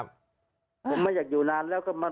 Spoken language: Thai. ผมไม่อยากอยู่นานแล้วก็มา